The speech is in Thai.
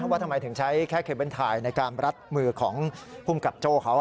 ว่าทำไมถึงใช้แค่เคเบิ้ลไทยในการรัดมือของภูมิกับโจ้เขา